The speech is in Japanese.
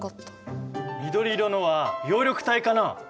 緑色のは葉緑体かな？